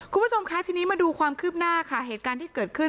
คุณผู้ชมคะทีนี้มาดูความคืบหน้าค่ะเหตุการณ์ที่เกิดขึ้น